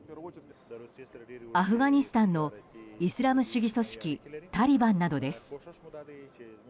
アフガニスタンのイスラム主義組織タリバンなどです。